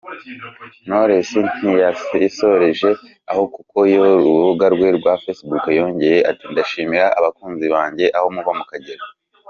Knowless ntiyasoreje aho kuko ku rubuga rwe rwa facebook yongeye ati “Ndashimira abakunzi banjye aho muva mukagera